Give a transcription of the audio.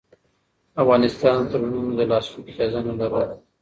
افغانستان د تړونونو د لاسلیک اجازه نه لرله.